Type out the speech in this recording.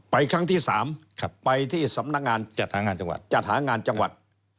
ไปครั้งที่๓ไปที่สำนักงานจัดหางานจังหวัด